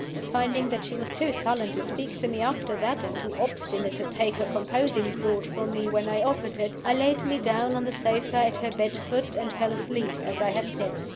Finding that she was too sullen to speak to me after that, and too obstinate to take her composing draught from me when I offered it, I laid me down on the sofa at her bed foot, and fell asleep, as I have said.